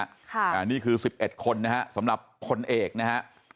อันนี้คือ๑๑คนนะฮะสำหรับพลเอกนะฮะ